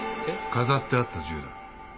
飾ってあった銃だ。